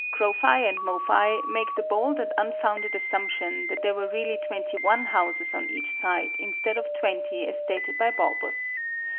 CROPHI AND MOPHI make the bold and unfounded assumption that there were really 21 houses on each side, instead of 20 as stated by Balbus.